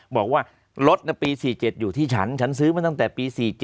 บอกว่ารถปี๔๗อยู่ที่ฉันฉันซื้อมาตั้งแต่ปี๔๗